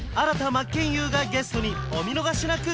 真剣佑がゲストにお見逃しなく！